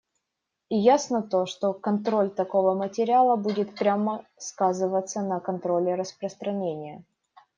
И ясно то, что контроль такого материала будет прямо сказываться на контроле распространения.